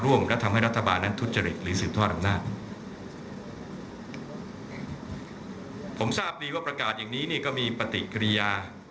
ผมทราบริวที่วันนี้ประกาศเลยจะมีประติกริยะ